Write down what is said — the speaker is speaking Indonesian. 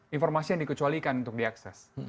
informasi yang dikecualikan untuk diakses